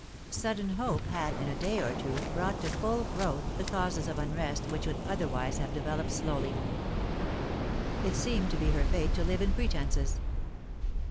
Sudden hope had in a day or two brought to full growth the causes of unrest which would otherwise have developed slowly. It seemed to be her fate to live in pretences.